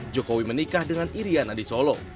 jokowi menikah dengan irian adisolo